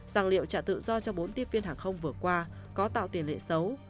rằng liệu trả tự do cho bốn tiếp viên hàng không vừa qua có tạo tiền lệ xấu